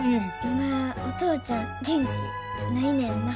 今お父ちゃん元気ないねんな。